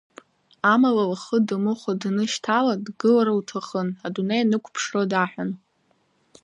Амала, лхы дамыхәо данышьҭала, дгылар лҭахын, адунеи анықәԥшра даҳәон.